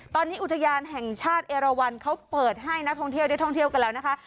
ตอนนี้อุทยานแห่งชาติเอราวันเขาเปิดให้นักท่องเที่ยวได้ท่องเที่ยวกันแล้วนะคะ